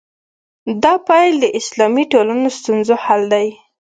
دا پیل د اسلامي ټولنو ستونزو حل دی.